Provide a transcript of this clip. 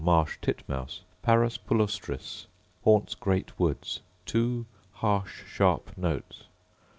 Marsh titmouse, Parus palustris: Haunts great woods; two harsh sharp notes.